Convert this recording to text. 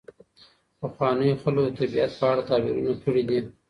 پخوانیو خلګو د طبیعت په اړه تعبیرونه کړي دي.